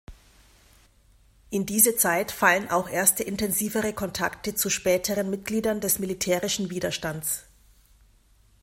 In diese Zeit fallen auch erste intensivere Kontakte zu späteren Mitgliedern des militärischen Widerstands.